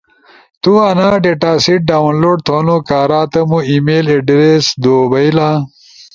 تو انا ڈیٹا سیٹ ڈاونلوڈ تھونو کارا تمو ای میل ایڈریس دو بئیلا۔